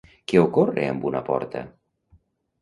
Què ocorre amb una porta?